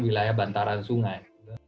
wilayah bantaran sungai